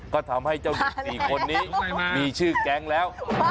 ก็ทำให้เจ้า๑๔คนนี้มีชื่อแก๊งแล้ว